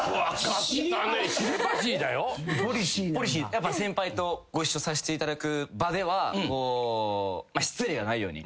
やっぱ先輩とご一緒させていただく場では失礼がないように。